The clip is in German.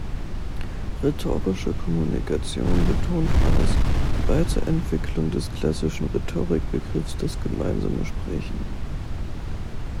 Rhetorische Kommunikation betont als Weiterentwicklung des klassischen Rhetorik-Begriffs das gemeinsame Sprechen.